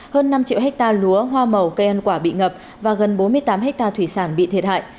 hơn năm triệu hectare lúa hoa màu cây ăn quả bị ngập và gần bốn mươi tám hectare thủy sản bị thiệt hại